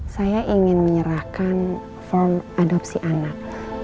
saya ingin menyerahkan form adopsi anak